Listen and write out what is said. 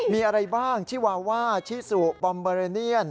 มีอะไรบ้างชิวาว่าชิสุบอมเบอร์เรเนียน